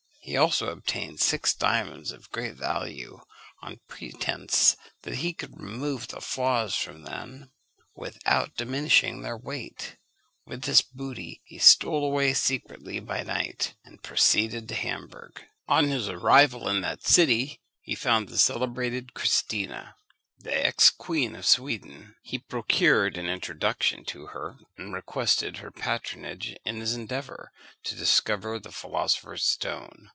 He also obtained six diamonds of great value, on pretence that he could remove the flaws from them without diminishing their weight. With this booty he stole away secretly by night, and proceeded to Hamburgh. On his arrival in that city, he found the celebrated Christina, the ex queen of Sweden. He procured an introduction to her, and requested her patronage in his endeavour to discover the philosopher's stone.